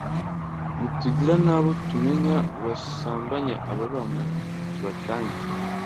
nitugira n'abo tumenya basambanya aba bana tubatange.”